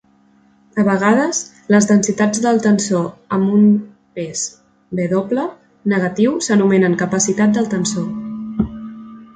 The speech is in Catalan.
A vegades, les densitats del tensor amb una pes "W" negatiu s'anomenen capacitat del tensor.